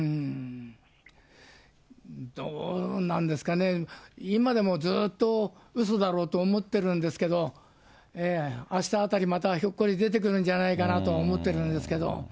どうなんですかね、今でもずっとうそだろと思ってるんですけど、あした辺り、またひょっこり出てくるんじゃないかなと思ってるんですけど。